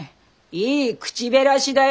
いい口減らしだよ。